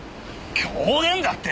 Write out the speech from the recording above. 狂言だって！？